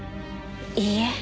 いいえ。